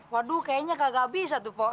waduh kayaknya kagak bisa tuh pak